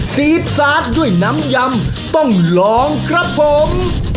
ซีฟซาสด้วยน้ำยำต้องลองครับผม